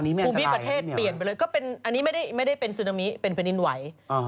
คือควบี๊บประเทศเปลี่ยนไปเลยอันนี้ไม่ได้เป็นซึนามิเป็นกฮานิยนวัย